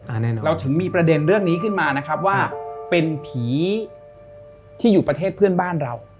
แน่นอนเราถึงมีประเด็นเรื่องนี้ขึ้นมานะครับว่าเป็นผีที่อยู่ประเทศเพื่อนบ้านเรา